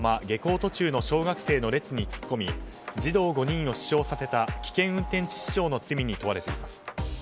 下校途中の小学生の列に突っ込み児童５人を死傷させた危険運転致死傷の罪に問われています。